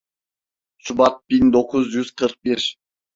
Şubat bin dokuz yüz kırk bir.